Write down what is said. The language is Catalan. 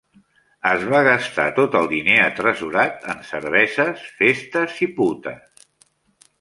Es va gastar tot el diner atresorat en cerveses, festes i putes.